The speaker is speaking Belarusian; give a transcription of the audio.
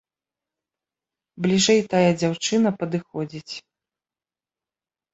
Бліжэй тая дзяўчына падыходзіць.